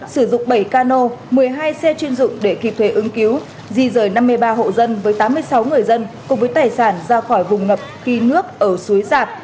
sử dụng bảy cano một mươi hai xe chuyên dụng để kịp thuê ứng cứu di rời năm mươi ba hộ dân với tám mươi sáu người dân cùng với tài sản ra khỏi vùng ngập khi nước ở suối giạt